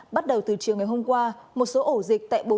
bắt đầu từ chiều ngày hôm qua một số ổ dịch tại bốn